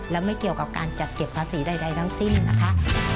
และไม่เกี่ยวกับการจัดเก็บภาษีใดทั้งสิ้นนะคะ